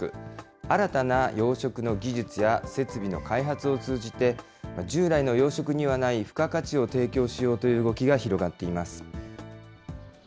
新たな養殖の技術や設備の開発を通じて、従来の養殖にはない付加価値を提供しようという動きが広がっています。